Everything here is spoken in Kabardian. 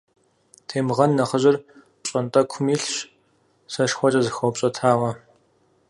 Темгъэн нэхъыжьыр пщӏантӏэкум илъщ, сэшхуэкӏэ зэхэупщӏэтауэ.